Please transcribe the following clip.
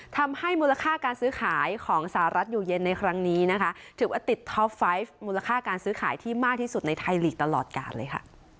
ทำให้มูลค่าการซื้อขายของสหรัฐอยู่เย็นในครั้งนี้นะคะถือว่าติดท็อปไฟต์มูลค่าการซื้อขายที่มากที่สุดในไทยลีกตลอดการเลยค่ะ